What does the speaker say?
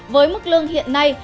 với mức lương hiện nay